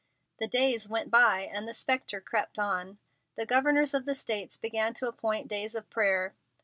The days went by, and the spectre crept on. The Governors of the States began to appoint days of prayer.